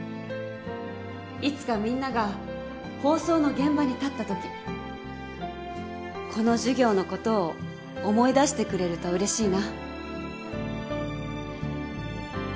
いつかみんなが法曹の現場に立ったときこの授業のことを思い出してくれるとうれしいな。